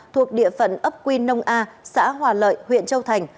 thuộc địa phận ấp quy nông a xã hòa lợi huyện châu thành